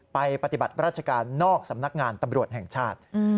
ปฏิบัติราชการนอกสำนักงานตำรวจแห่งชาติ